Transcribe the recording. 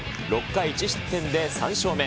６回１失点で３勝目。